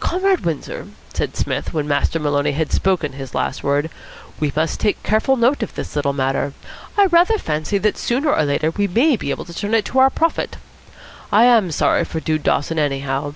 "Comrade Windsor," said Psmith, when Master Maloney had spoken his last word, "we must take careful note of this little matter. I rather fancy that sooner or later we may be able to turn it to our profit. I am sorry for Dude Dawson, anyhow.